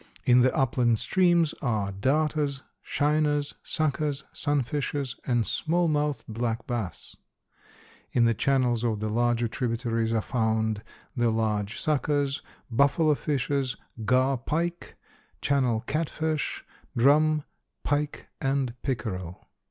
In the upland streams are darters, shiners, suckers, sunfishes and small mouthed black bass. In the channels of the larger tributaries are found the large suckers, buffalo fishes, gar pike, channel catfish, drum, pike and pickerel.